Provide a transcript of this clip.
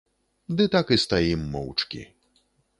Ды так і стаім моўчкі.